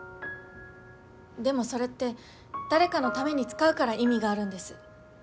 でもそれって誰かのために使うから意味があるんです。